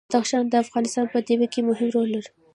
بدخشان د افغانستان په طبیعت کې مهم رول لري.